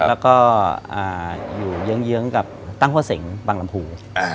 แล้วก็อยู่เยื้องกับตั้งหัวเสงบางลำภู